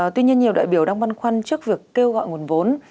tuy nhiên nhiều đại biểu đang băn khoăn trước việc kêu gọi nguồn vốn